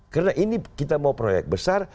karena ini kita mau proyek besar